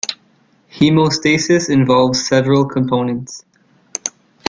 Hemostasis involves several components.